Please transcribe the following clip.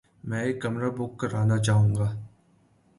میں ایک کمرہ بک کرانا چاحو گا